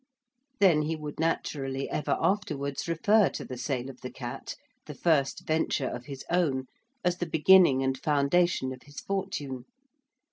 Then he would naturally ever afterwards refer to the sale of the cat, the first venture of his own, as the beginning and foundation of his fortune.